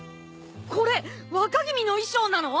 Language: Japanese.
これ若君の衣装なの！？